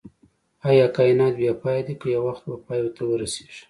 ايا کائنات بی پایه دی که يو وخت به پای ته ورسيږئ